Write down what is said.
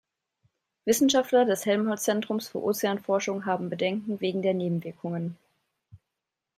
Wissenschaftler des Helmholtz-Zentrums für Ozeanforschung haben Bedenken wegen der Nebenwirkungen.